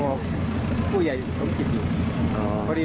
พอดีรถกันก่อน